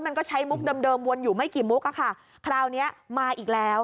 มันก็ใช้มุกเดิมวนอยู่ไม่กี่มุกอะค่ะคราวเนี้ยมาอีกแล้ว